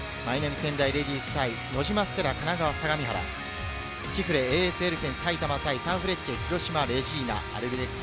仙台レディース対ノジマステラ神奈川相模原、ちふれＡＳエルフェン埼玉対サンフレッチェ広島レジーナ、アルビレックス